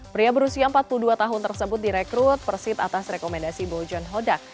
pria berusia empat puluh dua tahun tersebut direkrut persib atas rekomendasi bojon hodak